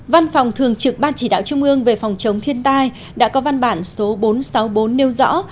văn phòng thường trực ban chỉ đạo trung ương về phòng chống thiên tai đã có văn bản số bốn trăm sáu mươi bốn nêu rõ